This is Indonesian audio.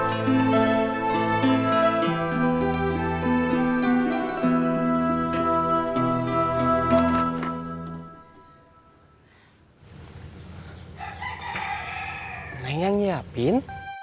hai neng yang nyiapin